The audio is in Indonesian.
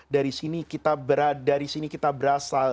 dari sini kita berasal